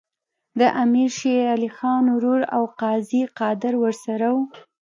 د امیر شېر علي خان ورور او قاضي قادر ورسره وو.